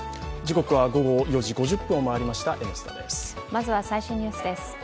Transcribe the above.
まずは最新ニュースです。